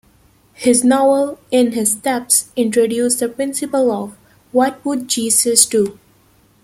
His novel, "In His Steps," introduced the principle of "What Would Jesus Do?